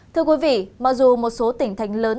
thưa quý vị mặc dù một số tỉnh thành lớn